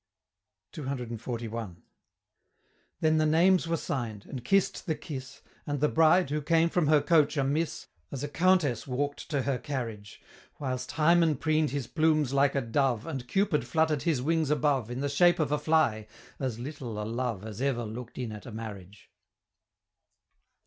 CCXLI. Then the names were sign'd and kiss'd the kiss: And the Bride, who came from her coach a Miss, As a Countess walk'd to her carriage Whilst Hymen preen'd his plumes like a dove, And Cupid flutter'd his wings above, In the shape of a fly as little a Love As ever look'd in at a marriage!